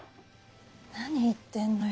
何言ってんのよ。